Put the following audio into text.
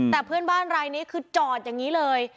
แต่เพื่อนบ้านรายนี้คือจอดอย่างนี้เลย